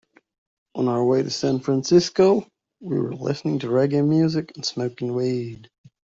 On our way to San Francisco, we were listening to reggae music and smoking weed.